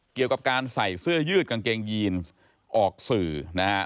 เกี่ยวกับการใส่เสื้อยืดกางเกงยีนออกสื่อนะฮะ